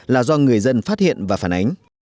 là do người dân phát hiện và phản ánh